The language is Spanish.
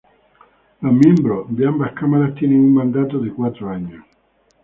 Los miembros de ambas cámaras tienen un mandato de cuatro años.